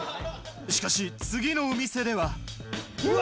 しかし次のお店ではうわ！